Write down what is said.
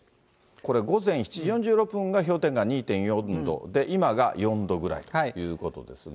これ、午前７時４６分が氷点下２．４度で、今が４度ぐらいということですね。